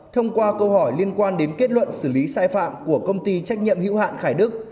thông qua câu hỏi liên quan đến kết luận xử lý sai phạm của công ty trách nhiệm hữu hạn khải đức